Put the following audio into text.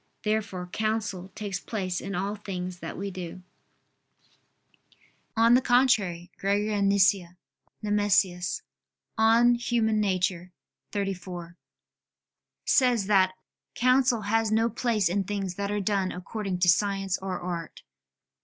Therefore counsel takes place in all things that we do. On the contrary, Gregory of Nyssa [*Nemesius, De Nat. Hom. xxxiv.] says that "counsel has no place in things that are done according to science or art."